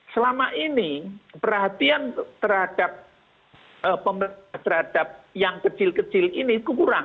selama ini perhatian terhadap pemerintah terhadap yang kecil kecil ini itu kurang